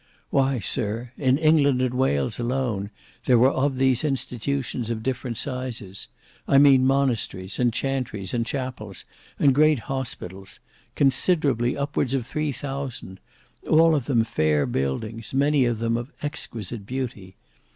Why, sir, in England and Wales alone, there were of these institutions of different sizes; I mean monasteries, and chantries and chapels, and great hospitals; considerably upwards of three thousand; all of them fair buildings, many of them of exquisite beauty.